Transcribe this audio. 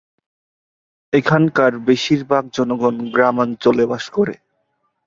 এখানকার বেশির ভাগ জনগণ গ্রামাঞ্চলে বাস করে।